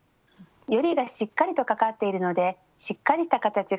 よりがしっかりとかかっているのでしっかりした形が作れ